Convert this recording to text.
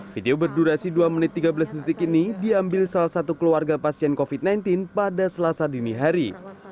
video berdurasi dua menit tiga belas detik ini diambil salah satu keluarga pasien covid sembilan belas pada selasa dini hari